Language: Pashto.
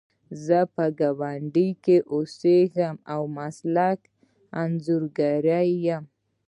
زه په ګاونډ کې اوسیدم او مسلکي انځورګره یم